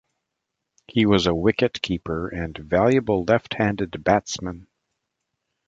He was a wicket-keeper and valuable left-handed batsman.